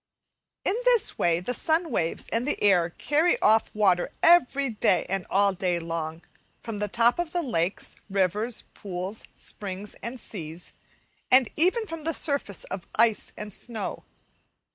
In this way the sun waves and the air carry off water everyday, and all day long, from the top of lakes, rivers, pools, springs, and seas, and even from the surface of ice and snow.